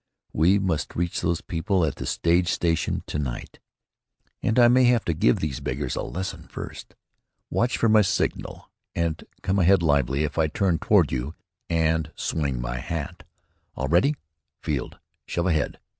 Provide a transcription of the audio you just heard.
We must reach those people at the stage station to night, and I may have to give these beggars a lesson first. Watch for my signal and come ahead lively if I turn toward you and swing my hat. All ready, Field. Shove ahead."